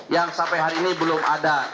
yang sampai hari ini belum ada